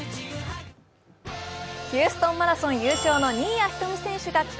ヒューストンマラソン優勝の新谷仁美選手が帰国。